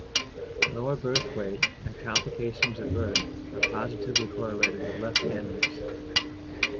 Lower-birth-weight and complications at birth are positively correlated with left-handness.